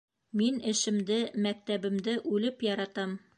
Мин эшемде, мәктәбемде үлеп яратам.